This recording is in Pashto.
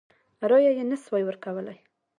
رایه یې نه سوای ورکولای.